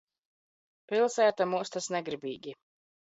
Pils?ta mostas negrib?gi